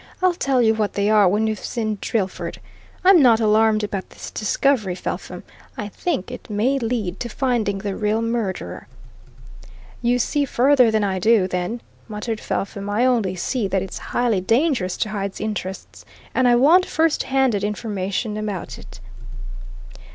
"I'll tell you what they are when we've seen Drillford. I'm not alarmed about this discovery, Felpham. I think it may lead to finding the real murderer." "You see further than I do, then," muttered Felpham. "I only see that it's highly dangerous to Hyde's interests. And I want first handed information about it."